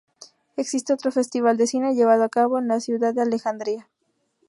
Existe otro festival de cine llevado a cabo en la ciudad de Alejandría.